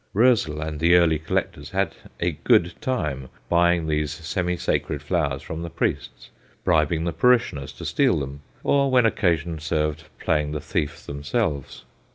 Roezl and the early collectors had a "good time," buying these semi sacred flowers from the priests, bribing the parishioners to steal them, or, when occasion served, playing the thief themselves.